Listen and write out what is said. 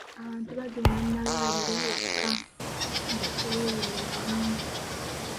Abantu bagenda mu malwaliro wokka nga tebeewulira bulungi.